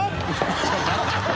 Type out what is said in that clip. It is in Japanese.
ハハハハ！